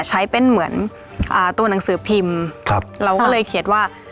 ใช้เป็นเหมือนอ่าตัวหนังสือพิมพ์ครับเราก็เลยเขียนว่า